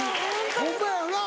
ホンマやよな。